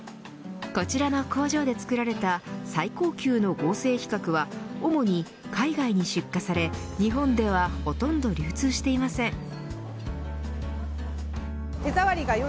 こちらの工場で作られた最高級の合成皮革は主に、海外に出荷され日本ではほとんど流通していません。